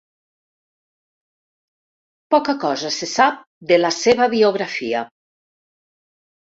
Poca cosa se sap de la seva biografia.